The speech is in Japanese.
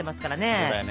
そうだよね。